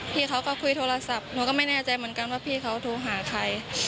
พี่เขาก็คุยโทรศัพท์หนูก็ไม่แน่ใจเหมือนกันว่าพี่เขาโทรหาใคร